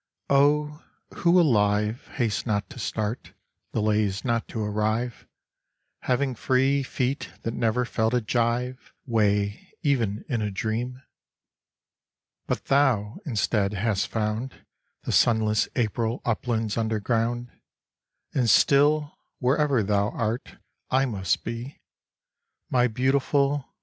Oh, who alive Hastes not to start, delays not to arrive, Having free feet that never felt a gyve Weigh, even in a dream? But thou, instead, hast found The sunless April uplands underground, And still, wherever thou art, I must be. My beautiful!